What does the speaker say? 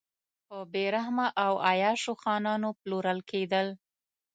په بې رحمه او عیاشو خانانو پلورل کېدل.